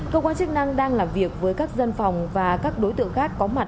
cơ quan chức năng đang làm việc với các dân phòng và các đối tượng khác có mặt